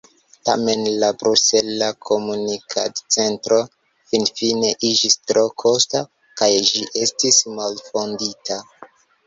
Tamen la Brusela Komunikad-Centro finfine iĝis tro kosta, kaj ĝi estis malfondita.